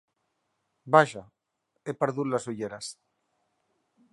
Vaja, he perdut les ulleres!